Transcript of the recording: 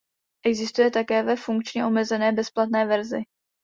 Existuje také ve funkčně omezené bezplatné verzi.